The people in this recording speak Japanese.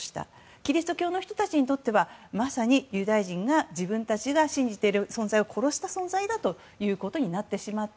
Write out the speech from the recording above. キリスト教の人たちにとってはまさにユダヤ人が自分たちが信じている存在を殺した存在だということになってしまった。